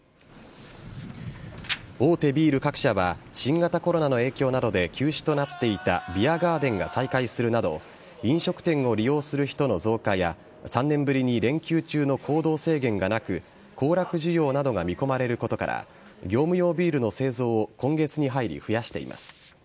大手ビール各社は新型コロナの影響などで休止となっていたビアガーデンが再開するなど飲食店を利用する人の増加や３年ぶりに連休中の行動制限がなく行楽需要などが見込まれることから業務用ビールの製造を今月に入り増やしています。